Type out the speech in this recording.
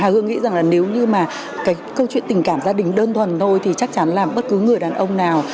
hà hương nghĩ rằng là nếu như mà câu chuyện tình cảm gia đình đơn thuần thôi thì chắc chắn là bất cứ người đàn ông nào